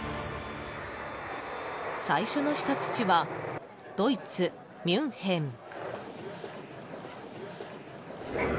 最初の視察地はドイツ・ミュンヘン。